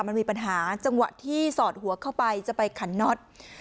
มันมีปัญหาจังหวะที่สอดหัวเข้าไปจะไปขันน็อต